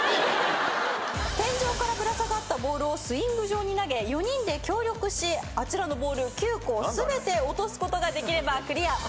天井からぶら下がったボールをスイング状に投げ４人で協力しあちらのボール９個を全て落とすことができればクリア。